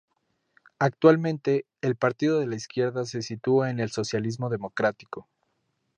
Actualmente, el Partido de la Izquierda se sitúa en el socialismo democrático.